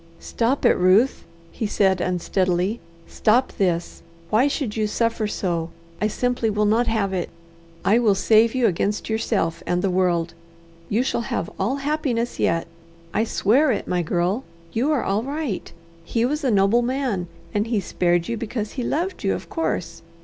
"Stop it, Ruth!" he said unsteadily. "Stop this! Why should you suffer so? I simply will not have it. I will save you against yourself and the world. You shall have all happiness yet; I swear it, my girl! You are all right. He was a noble man, and he spared you because he loved you, of course.